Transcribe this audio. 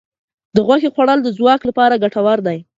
د غوښې خوړل د ځواک لپاره ګټور دي.